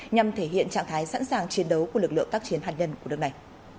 nhằm thể hiện trạng thái sẵn sàng chiến đấu của lực lượng tác chiến hạt nhân của nước này